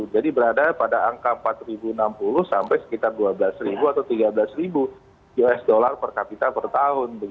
jadi berada pada angka empat enam puluh sampai sekitar dua belas atau tiga belas usd per kapita per tahun